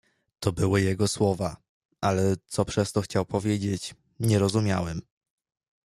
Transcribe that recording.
"To były jego słowa, ale co przez to chciał powiedzieć, nie rozumiałem."